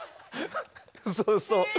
うそうそ。